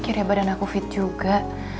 akhirnya badan aku fit juga